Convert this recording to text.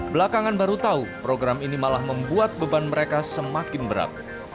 belakangan baru tahu program ini malah membuat beban mereka semakin berat